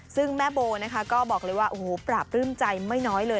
ซึ่งแม่โบ่ก็บอกเลยว่าปราบรื่มใจไม่น้อยเลย